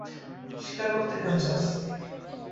শিকার করতে কেন চাস?